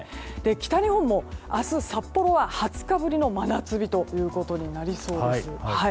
北日本も明日、札幌は２０日ぶりの真夏日となりそうです。